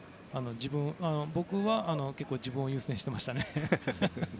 僕は結構自分を優先してましたね。